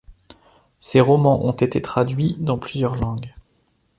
Ses romans ont été traduits dans plusieurs langues.